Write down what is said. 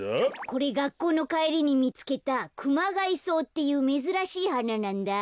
これがっこうのかえりにみつけたクマガイソウっていうめずらしいはななんだ。